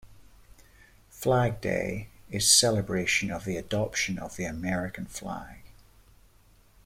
Flag day is celebration of the adoption of the American flag.